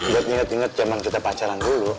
buat inget inget zaman kita pacaran dulu